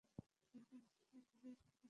বুড়োদের মতো করে কথা বলছো তুমি।